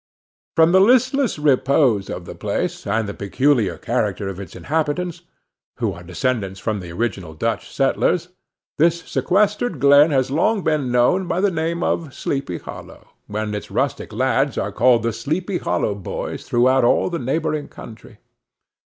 From the listless repose of the place, and the peculiar character of its inhabitants, who are descendants from the original Dutch settlers, this sequestered glen has long been known by the name of SLEEPY HOLLOW, and its rustic lads are called the Sleepy Hollow Boys throughout all the neighboring country.